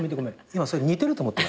今それ似てると思って。